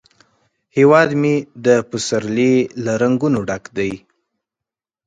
هیواد مې د پسرلي له رنګونو ډک دی